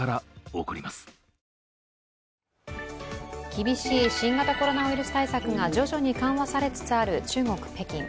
厳しい新型コロナウイルス対策が徐々に緩和されつつある中国・北京。